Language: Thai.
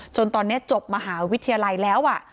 จนตอนนี้จบมหาวิทยาลัยแล้ว